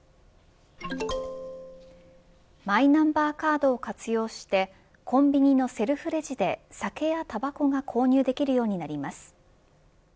マイナンバーカードを活用してコンビニのセルフレジで酒やたばこが購入できるようになります。